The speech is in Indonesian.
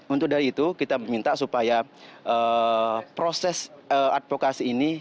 untuk dari itu kita minta supaya proses advokasi ini